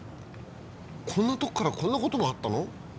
こんなとこから、こんなことがあったの？